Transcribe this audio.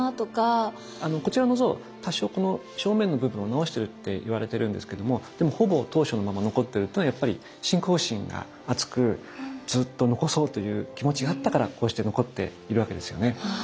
こちらの像多少この正面の部分を直してるっていわれてるんですけどもでもほぼ当初のまま残ってるというのはやっぱり信仰心が厚くずっと残そうという気持ちがあったからこうして残っているわけですよね。